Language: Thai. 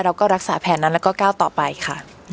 รักษาแผนนั้นแล้วก็ก้าวต่อไปค่ะ